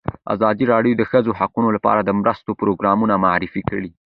ازادي راډیو د د ښځو حقونه لپاره د مرستو پروګرامونه معرفي کړي.